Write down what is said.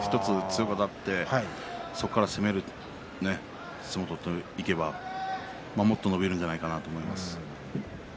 １つずつよくなってそこから攻めるという相撲を取っていけばもっと伸びるんじゃないかなと思います。